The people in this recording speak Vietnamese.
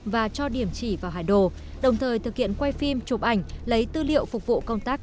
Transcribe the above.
và cho điểm chỉ vào hải đồ đồng thời thực hiện quay phim chụp ảnh lấy tư liệu phục vụ công tác